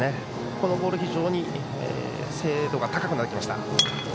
このボールは非常に精度が高くなってきました。